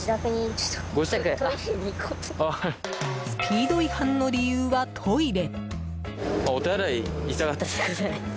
スピード違反の理由はトイレ。